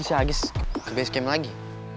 seagis ke basecam lagi